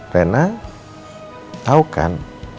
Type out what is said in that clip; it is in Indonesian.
rena tau kan